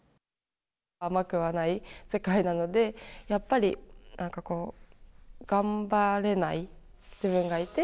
甘くはない世界なので、やっぱり、なんかこう、頑張れない自分がいて。